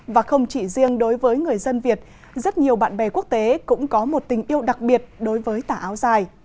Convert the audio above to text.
và không chỉ riêng đối với người dân việt rất nhiều bạn bè quốc tế cũng có một tình yêu đặc biệt đối với tả áo dài